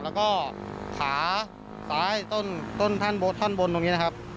แล้วก็ขาขาให้ต้นต้นท่านบนตรงนี้นะครับ